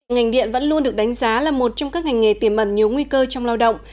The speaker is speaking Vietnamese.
ngành điện vẫn luôn được đánh giá là một trong các ngành nghề tiềm ẩn nhiều nguy cơ trong lao động